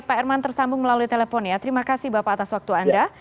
pak herman tersambung melalui telepon ya terima kasih bapak atas waktu anda